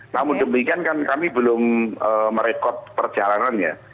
namun demikian kan kami belum merekod perjalanannya